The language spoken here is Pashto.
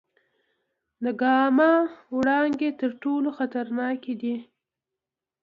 د ګاما وړانګې تر ټولو خطرناکې دي.